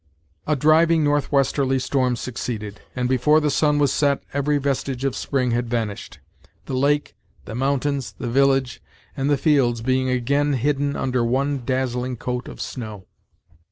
A driving northwesterly storm succeeded, and before the sun was set every vestige of spring had vanished; the lake, the mountains, the village, and the fields being again hidden under one dazzling coat of snow.